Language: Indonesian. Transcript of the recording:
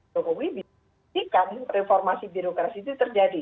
jokowi bisa memastikan reformasi birokrasi itu terjadi